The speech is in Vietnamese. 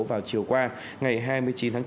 vào chiều qua ngày hai mươi chín tháng bốn